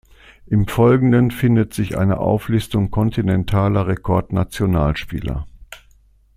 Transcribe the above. Im Folgenden findet sich eine Auflistung kontinentaler Rekordnationalspieler.